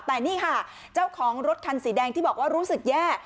แต่นี่ค่ะเจ้าของรถคันสีแดงที่บอกว่ารู้สึกแย่